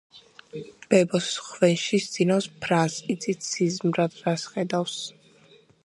ბებოს ხვენში სძინავს ფრანს, იცით სიზმრად რასვხედავს?